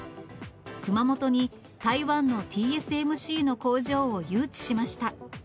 熊本に台湾のＴＳＭＣの工場を誘致しました。